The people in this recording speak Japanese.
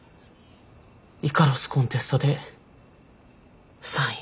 イカロスコンテストで３位。